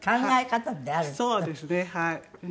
そうですねはい。